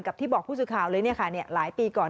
ที่บอกผู้สื่อข่าวเลยหลายปีก่อน